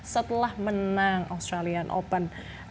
setelah menang australian open